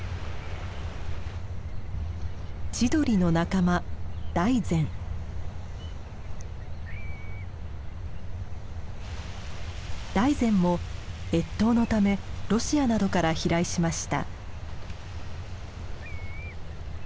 チドリの仲間ダイゼンも越冬のためロシアなどから飛来しました。